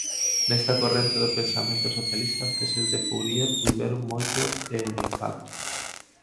Nesta corrente do pensamento socialista as teses de Fourier tiveron moito impacto.